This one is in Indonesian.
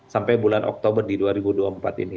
sampai bulan oktober di dua ribu dua puluh empat ini